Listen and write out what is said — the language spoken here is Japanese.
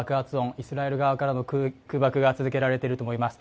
イスラエル側からの空爆が続いていると思われます。